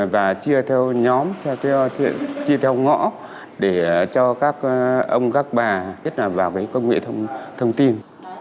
và chia theo nhóm chia theo ngõ để cho các ông các bà nhất là vào công nghệ thông tin